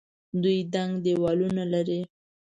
دوی دنګ دیوالونه لري.